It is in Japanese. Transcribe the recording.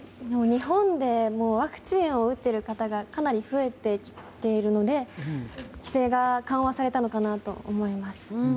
日本でワクチンを打っている方がかなり増えてきているので規制が緩和されたのかなと思います。